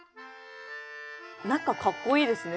中かっこいいですね